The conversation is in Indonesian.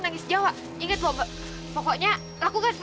nanti aku juga mau dipanggil dulu